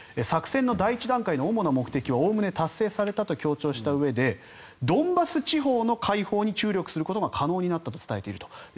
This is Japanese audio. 作戦の第１段階の主な目的はおおむね達成されたと強調したうえでドンバス地方の解放に注力することが可能になったと伝えていると。